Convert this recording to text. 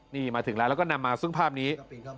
นี่มาถึงแล้วแล้วก็นำมาซึ่งภาพนี้